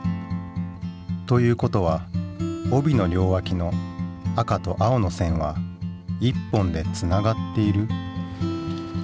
という事は帯の両わきの赤と青の線は一本でつながっている？